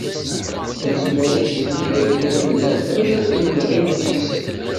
Nezmer ad d-nini d akken amdan, ala timenɣiwt i yessen.